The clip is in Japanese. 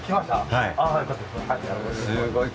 はい。